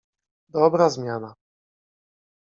Dobra, zmiana